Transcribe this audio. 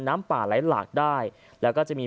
น้ำป่าไหลหลากได้แล้วก็จะมี